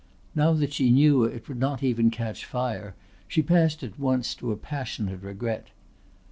Now that she knew it would not even catch fire she passed at once to a passionate regret.